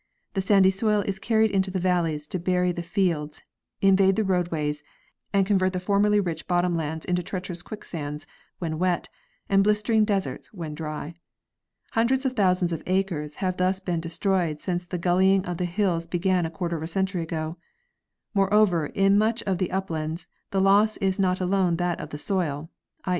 The sandy soil is carried into the valleys to bury the fields, in vade the roadways, and convert the formerly rich bottom lands into treacherous quicksands when wet and blistering deserts when dry. Hun dreds of thousands of acres have thus been destroyed since the gullying of hills began a quarter of a century ago. Moreover, in much of the up lands the loss is not alone that of the soil, 7.